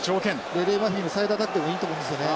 レレィマフィのサイドアタックでもいいと思うんですよね。